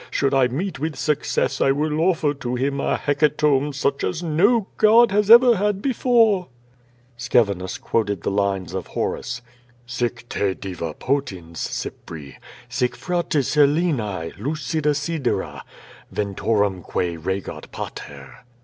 Should I meet with success I will offer to him a hecatomb such as no god has ever had before." 0170 VADIS. ^yi Scevinus quoted the lines of Horace: "Sic te diva potens, Cypri, Sic frates Helenae, hicida sidera, Ventorumque regat Pater."